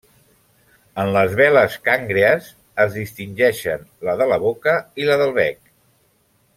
En les veles cangrees es distingeixen la de la boca i la del bec.